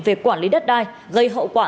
về quản lý đất đai gây hậu quả